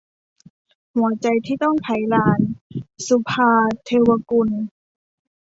หัวใจที่ต้องไขลาน - สุภาว์ เทวกุล